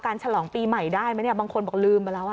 การฉลองปีใหม่ได้ไหมบางคนบอกลืมมาแล้ว